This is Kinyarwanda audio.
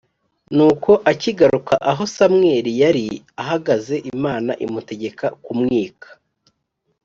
nuko akigaruka aho samweli yari ahagaze imana imutegeka kumwika